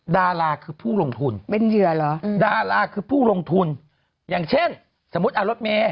ดาราคือผู้ลงทุนดาราคือผู้ลงทุนอย่างเช่นสมมุติรถแม่